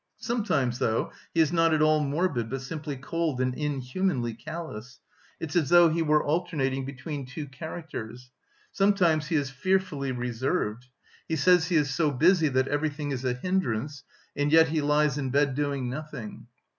Sometimes, though, he is not at all morbid, but simply cold and inhumanly callous; it's as though he were alternating between two characters. Sometimes he is fearfully reserved! He says he is so busy that everything is a hindrance, and yet he lies in bed doing nothing.